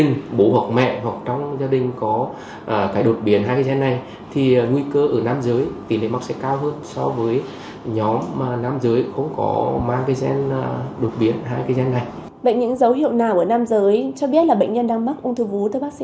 những dấu hiệu nào ở nam giới cho biết là bệnh nhân đang mắc ung thư vú